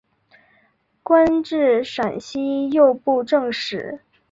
官至陕西右布政使。